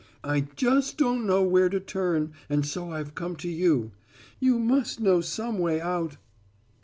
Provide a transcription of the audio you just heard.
I just don't know where to turn, and so I've come to you. You must know some way out."